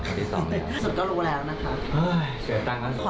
สุดก็รู้แล้วนะคะ